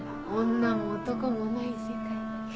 女も男もない世界。